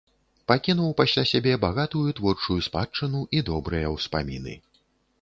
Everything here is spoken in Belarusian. Пакінуў пасля сябе багатую творчую спадчыну і добрыя ўспаміны.